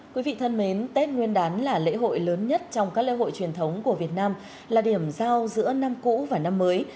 quý vị thân mến tết nguyên đán là lễ hội lớn nhất trong các lễ hội truyền thống của việt nam là điểm giao giữa năm cũ và năm mới